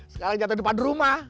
sekarang jatuh depan rumah